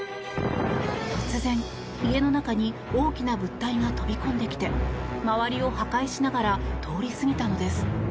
突然、家の中に大きな物体が飛び込んできて周りを破壊しながら通り過ぎたのです。